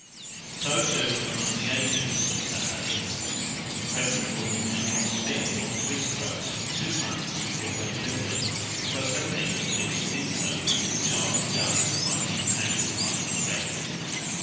So, too, among the Ainos of Saghalien a pregnant woman may not spin nor twist ropes for two months before her delivery, because they think that if she did so the child's guts might be entangled like the thread.